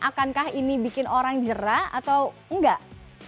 akankah ini bikin orang jerah atau enggak